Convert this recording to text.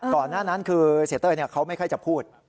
ก่อนหน้านั้นคือเสียเต้ยเขาไม่ค่อยจะพูด